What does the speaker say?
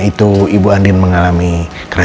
kita perubah kita